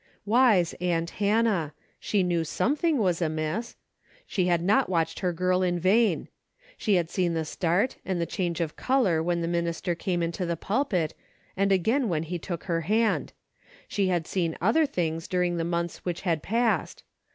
Wise aunt Hannah ! She knew something was amiss ! She had not watched her girl in vain. She had seen the start and the change of color when the minister came into the pulpit and again when he took her hand ; she had seen other things during the months which had passed.